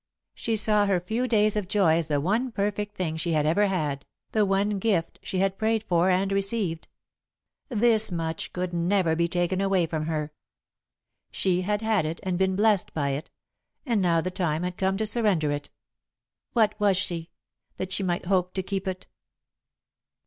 She saw her few days of joy as the one perfect thing she had ever had, the one gift she had prayed for and received. This much could never be taken away from her. She had had it and been blessed by it, and now the time had come to surrender it. What was she, that she might hope to keep it?